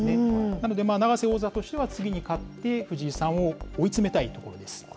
なので、永瀬王座としては次に勝って、藤井さんを追い詰めたいところです。